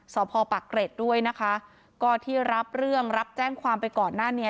สอบพอปากเกร็ดด้วยนะคะก็ที่รับเรื่องรับแจ้งความไปก่อนหน้านี้